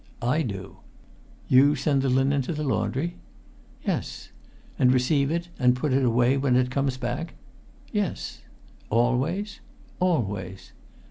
"I do." "You send the linen to the laundry?" "Yes." "And receive it and put it away when it comes back?" "Yes." "Always?" "Always!"